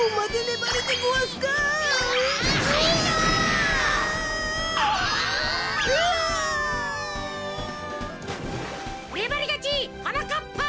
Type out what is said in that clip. ねばりがちはなかっぱ！